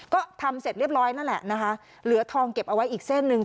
ก็ทำเสร็จเรียบร้อยแล้วแหละนะคะเหลือทองเก็บเอาไว้อีกเส้นหนึ่ง